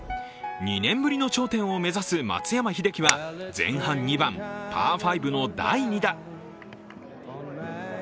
２年ぶりの頂点を目指す松山英樹は前半２番、パー５の第２打。